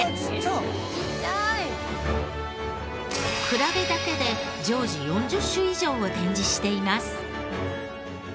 クラゲだけで常時４０種以上を展示しています。